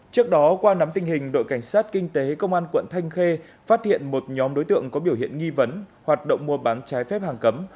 trước đó qua nắm tình hình đội cảnh sát kinh tế công an quận thanh khê phát hiện một nhóm đối tượng có biểu hiện nghi vấn hoạt động mua bán trái phép hàng cấm